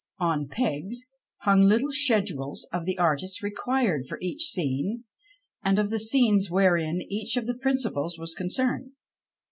On pegs hung little schedules of the artists required for each scene, and of the scenes wherein each of the principals was concerned.